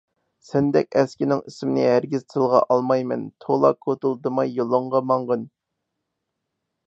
سەندەك ئەسكىنىڭ ئىسمىنى ھەرگىز تىلغا ئالمايمەن، تولا كوتۇلدىماي يولۇڭغا ماڭغىن!